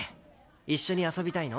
一緒に遊びたいの？